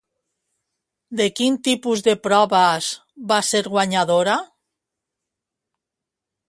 De quin tipus de proves va ser guanyadora?